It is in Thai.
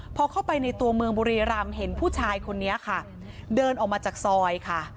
พอเข้าไปในตัวเมืองบุรีรำเห็นผู้ชายคนนี้ค่ะเดินออกมาจากซอยค่ะ